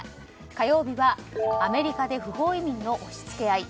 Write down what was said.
火曜日はアメリカで不法移民の押し付け合い。